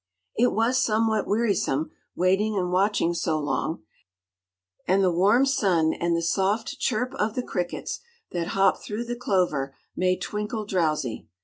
It was somewhat wearisome, waiting and watching so long, and the warm sun and the soft chirp of the crickets that hopped through the clover made Twinkle drowsy.